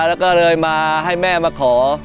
แล้วก็เลยมาให้แม่มาขอ